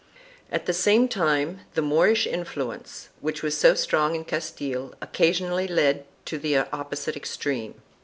At the same time the Moorish influence, which was so strong in Castile, occasionally led to the opposite extreme.